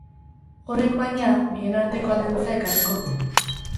Horrek, baina, bien arteko aldentzea ekarriko du.